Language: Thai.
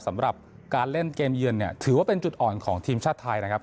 สำหรับการเล่นเกมเยือนเนี่ยถือว่าเป็นจุดอ่อนของทีมชาติไทยนะครับ